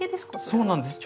そうなんです。